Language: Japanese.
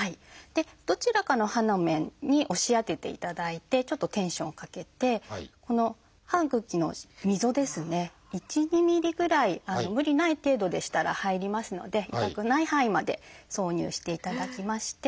どちらかの歯の面に押し当てていただいてちょっとテンションをかけてこの歯ぐきの溝１２ｍｍぐらい無理ない程度でしたら入りますので痛くない範囲まで挿入していただきまして。